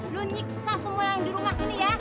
lu nyiksa semua yang di rumah sini ya